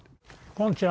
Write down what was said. こんにちは。